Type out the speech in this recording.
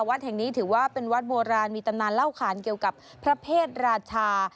วัดแห่งนี้ถือว่าเป็นวัดโบราณมีตำนานเล่าขานเกี่ยวกับพระเพศราชา